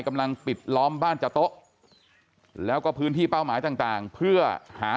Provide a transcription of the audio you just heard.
กำลังปิดล้อมบ้านจโต๊ะแล้วก็พื้นที่เป้าหมายต่างเพื่อหา